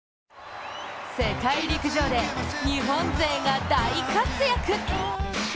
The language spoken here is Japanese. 世界陸上で日本勢が大活躍。